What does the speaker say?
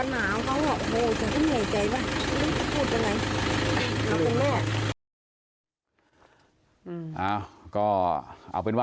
ตอนหนาวเขาบอกโอ้จะเห็นเหนื่อยใจป่ะ